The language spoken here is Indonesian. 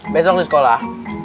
besok di sekolah